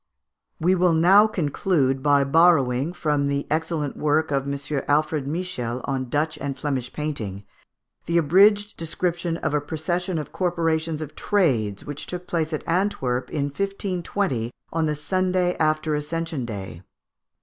We will now conclude by borrowing, from the excellent work of M. Alfred Michiels on Dutch and Flemish painting, the abridged description of a procession of corporations of trades, which took place at Antwerp in 1520, on the Sunday after Ascension Day.